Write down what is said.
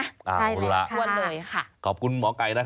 ใช่เลยค่ะว่าเลยค่ะเอาละขอบคุณหมอไกดนะคะ